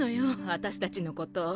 私たちのこと。